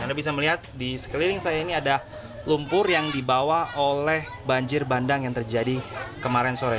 anda bisa melihat di sekeliling saya ini ada lumpur yang dibawa oleh banjir bandang yang terjadi kemarin sore